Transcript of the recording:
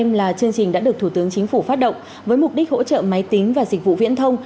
năm là chương trình đã được thủ tướng chính phủ phát động với mục đích hỗ trợ máy tính và dịch vụ viễn thông